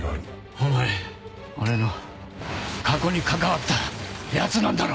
お前俺の過去に関わったヤツなんだろ？